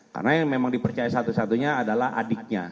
karena yang memang dipercaya satu satunya adalah adiknya